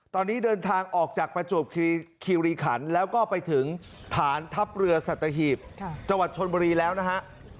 ตอนนี้เดินทางออกจากประจวบคิริขันแล้วก็ไปถึงฐานทัพเรือสัตหีบจังหวัดชนบุรีแล้วนะฮะ